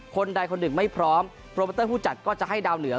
คนใดคนหนึ่งไม่พร้อมโปรโมเตอร์ผู้จัดก็จะให้ดาวเหนือ